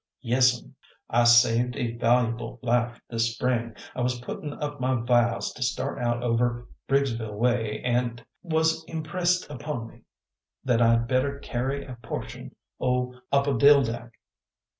"Yes'm; I saved a valu'ble life this last spring. I was puttin' up my vials to start out over Briggsville way, an' 't was impressed upon me that I'd better carry a portion o' opodildack.